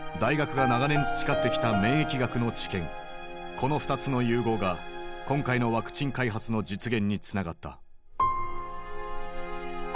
この２つの融合が今回のワクチン開発の実現につながった。